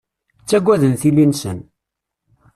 Ttaggaden tili-nsen.